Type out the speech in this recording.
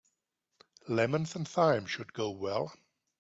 Lemons and thyme should go well.